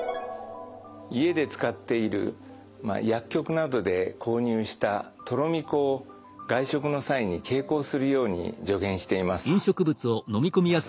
家で使っている薬局などで購入したとろみ粉を外食の際に携行するように助言しています。